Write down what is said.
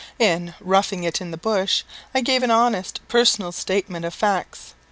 In "Roughing it in the Bush," I gave an honest personal statement of facts.